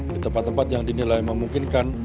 di tempat tempat yang dinilai memungkinkan